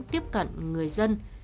tiếp cận người dân